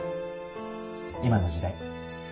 今の時代。